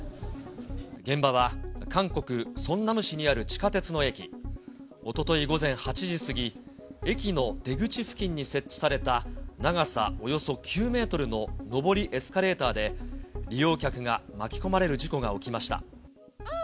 現場は韓国・ソンナム市にある地下鉄の駅、おととい午前８時過ぎ、駅の出口付近に設置された長さおよそ９メートルの上りエスカレーターで、利用客が巻き込まれる事故が起きました。